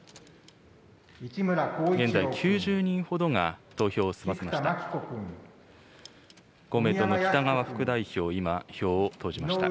現在、９０人ほどが投票を済ませました。